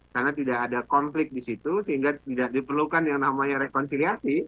karena tidak ada konflik di situ sehingga tidak diperlukan yang namanya rekonsiliasi